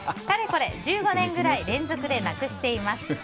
かれこれ１５年ぐらい連続でなくしています。